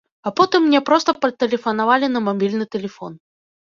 А потым мне проста патэлефанавалі на мабільны тэлефон.